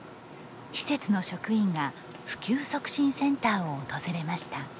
施設の職員が普及促進センターを訪れました。